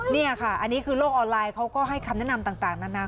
นี่ค่ะอันนี้คือโลกออนไลน์เขาก็ให้คำแนะนำต่างนานา